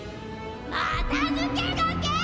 また抜け駆けえ！？